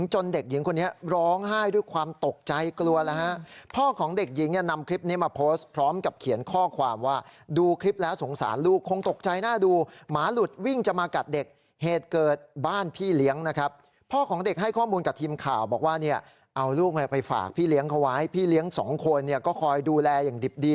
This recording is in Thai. จนเด็กหญิงคนนี้ร้องไห้ด้วยความตกใจกลัวแล้วฮะพ่อของเด็กหญิงเนี่ยนำคลิปนี้มาโพสต์พร้อมกับเขียนข้อความว่าดูคลิปแล้วสงสารลูกคงตกใจหน้าดูหมาหลุดวิ่งจะมากัดเด็กเหตุเกิดบ้านพี่เลี้ยงนะครับพ่อของเด็กให้ข้อมูลกับทีมข่าวบอกว่าเนี่ยเอาลูกไปฝากพี่เลี้ยงเขาไว้พี่เลี้ยงสองคนเนี่ยก็คอยดูแลอย่างดิบดี